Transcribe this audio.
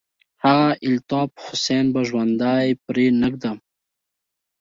هغه الطاف حسين به ژوندى پرې نه ږدم.